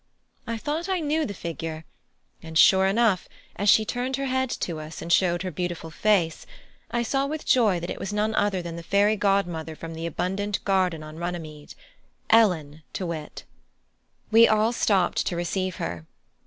I thought I knew the figure, and sure enough, as she turned her head to us, and showed her beautiful face, I saw with joy that it was none other than the fairy godmother from the abundant garden on Runnymede Ellen, to wit. We all stopped to receive her.